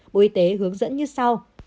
bộ y tế hướng dẫn như sau